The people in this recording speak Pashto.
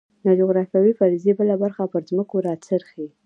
د جغرافیوي فرضیې بله برخه پر ځمکو راڅرخي.